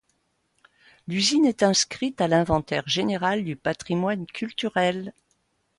L'usine est inscrite à l'inventaire général du patrimoine culturel.